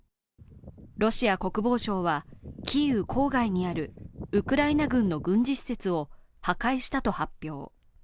ロシア国防省はキーウ郊外にあるウクライナ軍の軍事施設を破壊したと発表。